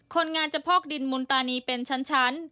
คนงานจะพอกดินมุนตานีเป็นชั้น